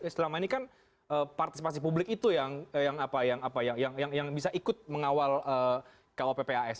selama ini kan partisipasi publik itu yang bisa ikut mengawal kuppas